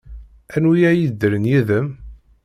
Anwi ay yeddren yid-m?